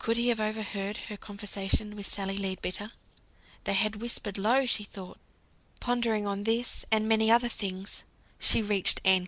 Could he have overheard her conversation with Sally Leadbitter? They had whispered low, she thought. Pondering on this, and many other things, she reached Ancoats.